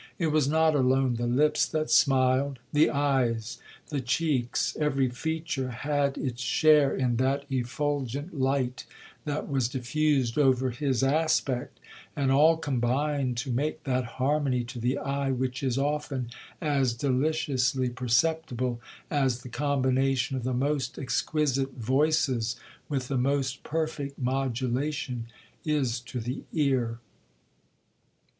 It was not alone the lips that smiled,—the eyes, the cheeks, every feature had its share in that effulgent light that was diffused over his aspect, and all combined to make that harmony to the eye, which is often as deliciously perceptible, as the combination of the most exquisite voices with the most perfect modulation, is to the ear.